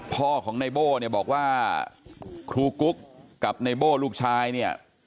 พ่อของในโบ้เนี่ยบอกว่าครูกุ๊กกับไนโบ้ลูกชายเนี่ย